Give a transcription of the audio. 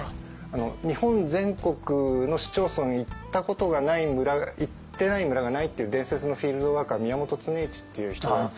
日本全国の市町村行ったことがない村行ってない村がないっていう伝説のフィールドワークは宮本常一っていう人がいて。